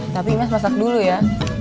tapi mas masak dulu ya